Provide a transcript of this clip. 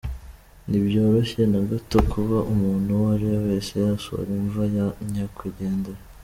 Ntibyoroshye na gato kuba umuntu uwo ari we wese yasura imva ya nyakwigendera.